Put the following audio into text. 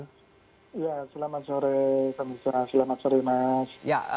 selamat sore pak mika selamat sore mas